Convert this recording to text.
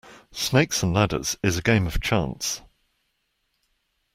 Snakes and ladders is a game of chance.